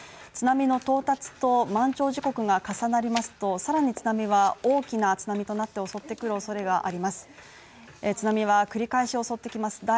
津波の到達と満潮時刻が重なりますとさらに津波は大きな津波となって襲ってくるおそれがあります。